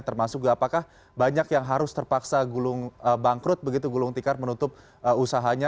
termasuk apakah banyak yang harus terpaksa bangkrut begitu gulung tikar menutup usahanya